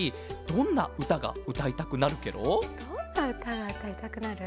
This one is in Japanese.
どんなうたがうたいたくなる？